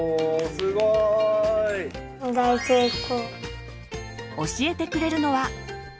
すごい！教えてくれるのは。